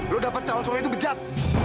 lo dapet calon semua itu bejat